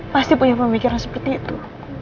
pasti punya pemikiran seperti itu